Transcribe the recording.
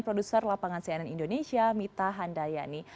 produser lapangan cnn indonesia mita handayani